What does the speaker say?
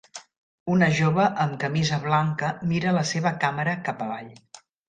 Una jove amb camisa blanca mira la seva càmera cap avall